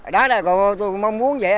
đó là tôi mong muốn dậy